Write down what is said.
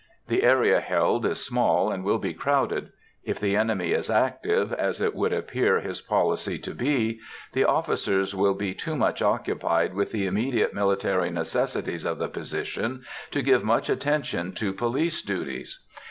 The area held is small, and will be crowded. If the enemy is active, as it would appear his policy to be, the officers will be too much occupied with the immediate military necessities of the position to give much attention to police duties.